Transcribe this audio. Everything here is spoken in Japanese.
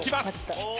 きた。